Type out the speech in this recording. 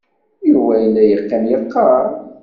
Yuba yella yeqqim, yeqqar.